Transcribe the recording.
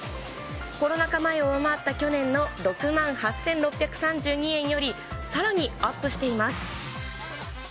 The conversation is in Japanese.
コロナ禍前を上回った去年の６万８６３２円よりさらにアップしています。